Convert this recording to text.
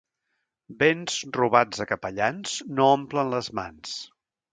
Béns robats a capellans no omplen les mans.